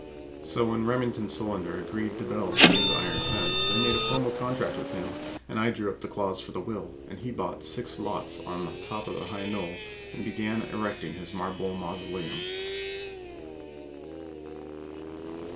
So when Remington Solander agreed to build the new iron fence they made a formal contract with him, and I drew up the clause for the will, and he bought six lots on top of the high knoll and began erecting his marble mausoleum.